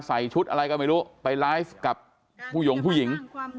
ใส่ชุดอะไรก็ไม่รู้ไปไลฟ์กับผู้หยงผู้หญิง